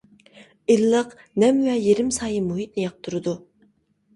ئىللىق، نەم ۋە يېرىم سايە مۇھىتنى ياقتۇرىدۇ.